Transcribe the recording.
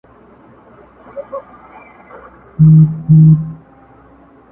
شعر د ژبي زړه او نثر یې ماغزه دی